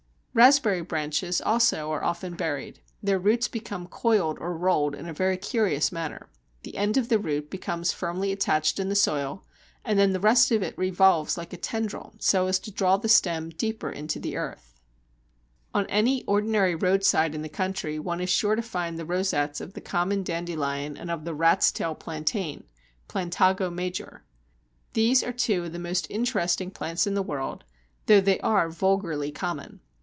Raspberry branches also are often buried; their roots become coiled or rolled in a very curious manner. The end of the root becomes firmly attached in the soil, and then the rest of it revolves like a tendril so as to draw the stem deeper into the earth. Scott Elliot and Fingland, Trans. Nat. Hist. Soc. Glasgow, vol. 5, New Series, part ii., 1897 8. On any ordinary roadside in the country one is sure to find the rosettes of the common Dandelion and of the Rats tail Plantain (Plantago major). These are two of the most interesting plants in the world, although they are vulgarly common.